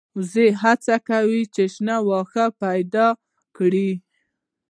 وزې تل هڅه کوي چې شنه واښه پیدا کړي